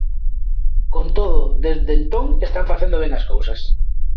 Con todo, dende entón están facendo ben as cousas.